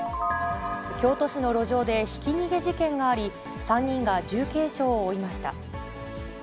京都市の路上でひき逃げ事件があり、３人が重軽傷を負いました。